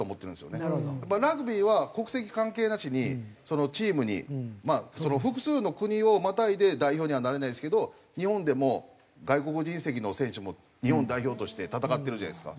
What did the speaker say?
ラグビーは国籍関係なしにチームに複数の国をまたいで代表にはなれないんですけど日本でも外国人籍の選手も日本代表として戦ってるじゃないですか。